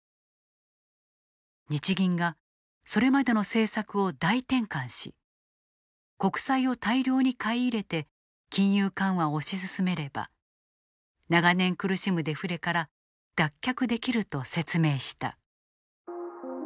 日銀がそれまでの政策を大転換し国債を大量に買い入れて金融緩和を推し進めれば長年苦しむデフレから脱却できると説明した。